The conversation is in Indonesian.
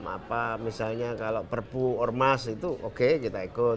apa misalnya kalau perpu ormas itu oke kita ikut